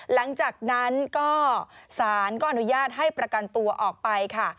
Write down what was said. หลังจากนั้นก็สารก็อนุญาตให้ประกันตัวออกไปค่ะ